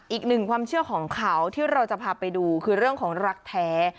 อีกหนึ่งความเชื่อของเขาที่เราจะพาไปดูคือเรื่องของรักแท้